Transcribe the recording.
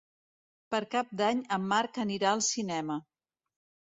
Per Cap d'Any en Marc anirà al cinema.